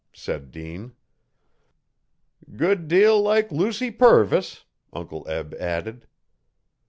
said Dean. 'Good deal like Lucy Purvis,' Uncle Eb added.